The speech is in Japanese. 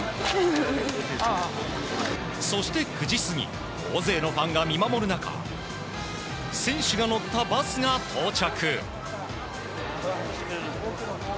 そして、９時過ぎ大勢のファンが見守る中選手が乗ったバスが到着。